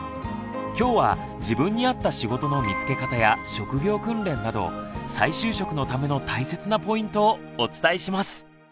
きょうは自分に合った仕事の見つけ方や職業訓練など再就職のための大切なポイントをお伝えします。